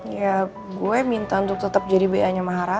ya gue minta untuk tetap jadi bayangnya maharaja